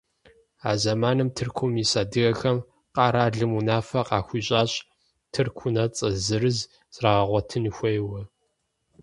А зэманым Тыркум ис адыгэхэм къэралым унафэ къахуищӏащ тырку унэцӏэ зырыз зрагъэгъуэтын хуейуэ.